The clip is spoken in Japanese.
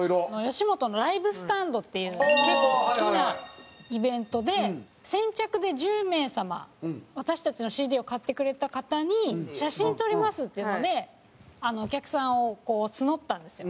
吉本のＬＩＶＥＳＴＡＮＤっていう結構大きなイベントで先着で１０名様私たちのＣＤを買ってくれた方に写真撮りますっていうのでお客さんを募ったんですよ。